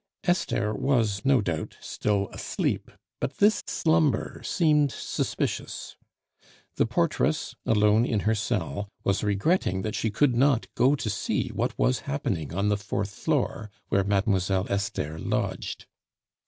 Esther was, no doubt, still asleep, but this slumber seemed suspicious. The portress, alone in her cell, was regretting that she could not go to see what was happening on the fourth floor, where Mademoiselle Esther lodged.